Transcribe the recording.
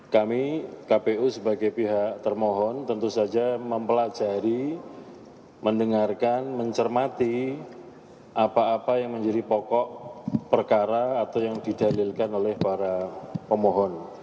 kami kpu sebagai pihak termohon tentu saja mempelajari mendengarkan mencermati apa apa yang menjadi pokok perkara atau yang didalilkan oleh para pemohon